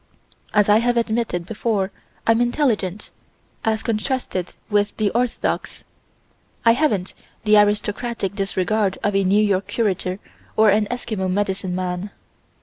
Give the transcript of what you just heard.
As I have admitted before I'm intelligent, as contrasted with the orthodox. I haven't the aristocratic disregard of a New York curator or an Eskimo medicine man.